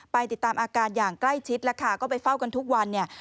ติดตามอาการอย่างใกล้ชิดแล้วค่ะก็ไปเฝ้ากันทุกวันเนี่ย